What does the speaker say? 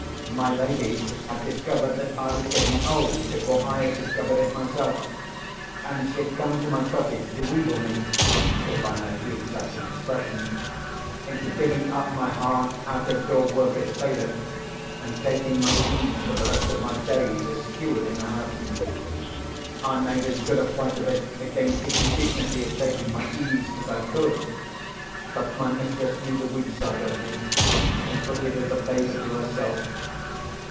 My lady had discovered that I was getting old before I had discovered it myself, and she had come to my cottage to wheedle me (if I may use such an expression) into giving up my hard out of door work as bailiff, and taking my ease for the rest of my days as steward in the house. I made as good a fight of it against the indignity of taking my ease as I could. But my mistress knew the weak side of me; she put it as a favour to herself.